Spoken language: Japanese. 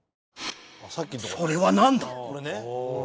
「それは何だ？」